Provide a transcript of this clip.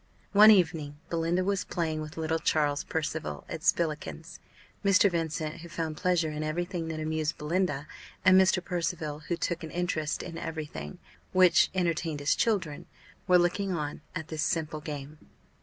One evening, Belinda was playing with little Charles Percival at spillikins. Mr. Vincent, who found pleasure in every thing that amused Belinda, and Mr. Percival, who took an interest in every thing which entertained his children, were looking on at this simple game.